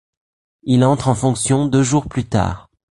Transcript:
Il entre en fonction deux jours plus tard.